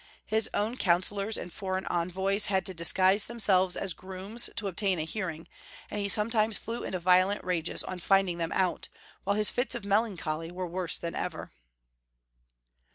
His own counsellors and foreign envoys had to disguise themselves as grooms to obtain a hearing, and lie sometimes flew into violent rages on finding them out, while his fits of melancholy were worse than ever.